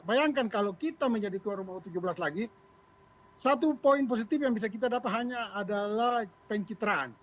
bayangkan kalau kita menjadi tuan rumah u tujuh belas lagi satu poin positif yang bisa kita dapat hanya adalah pencitraan